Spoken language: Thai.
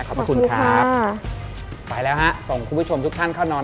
ขอบคุณครับค่ะไปแล้วฮะส่งคุณผู้ชมทุกท่านเข้านอน